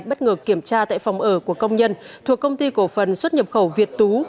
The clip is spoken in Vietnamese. bắt ngược kiểm tra tại phòng ở của công nhân thuộc công ty cổ phần xuất nhập khẩu việt tú